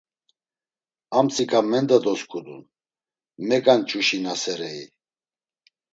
Amtsika mendra dosǩudun, meganç̌uşinaserei?